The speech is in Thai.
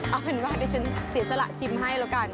เอาเป็นบ้างเดี๋ยวฉันเสียสละชิมให้แล้วกันค่ะ